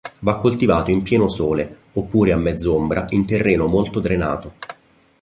Va coltivato in pieno sole oppure a mezz'ombra in terreno molto drenato.